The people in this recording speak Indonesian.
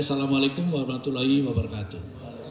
assalamu'alaikum warahmatullahi wabarakatuh